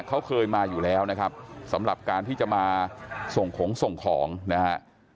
เขาเคยมาอยู่แล้วนะครับสำหรับการที่จะมาส่งของส่งของนะฮะ